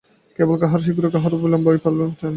কেবল কাহারও শীঘ্র, কাহারও বা বিলম্বে ঐ ফললাভ হইয়া থাকে।